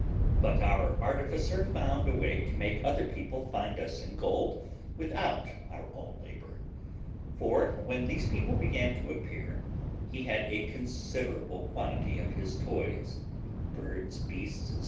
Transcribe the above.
But our artificer found a way to make other people find us in gold without our own labour; for, when these people began to appear, he had a considerable quantity of his toys, birds, beasts, &c.